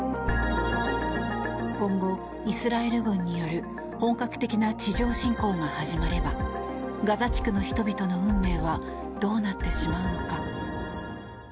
今後、イスラエル軍による本格的な地上侵攻が始まればガザ地区の人々の運命はどうなってしまうのか。